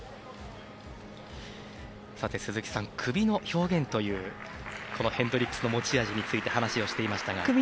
鈴木さん、首の表現というこのヘンドリックスの持ち味について話していましたが。